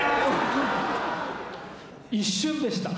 一瞬でした。